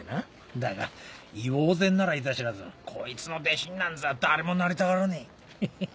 だが猪王山ならいざ知らずこいつの弟子になんざ誰もなりたがらねえヒヒっ。